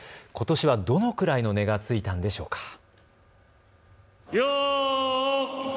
ことしはどのくらいの値がついたんでしょうか。